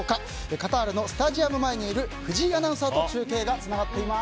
カタールのスタジアム前にいる藤井アナウンサーと中継がつながっています。